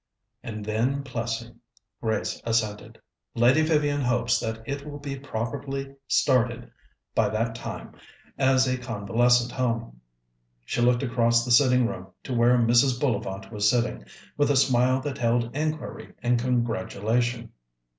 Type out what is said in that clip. "And then Plessing," Grace assented. "Lady Vivian hopes that it will be properly started by that time as a convalescent home." She looked across the sitting room to where Mrs. Bullivant was sitting, with a smile that held inquiry and congratulation.